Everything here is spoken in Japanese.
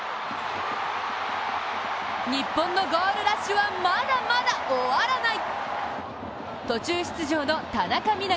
日本のゴールラッシュはまだまだ終わらない！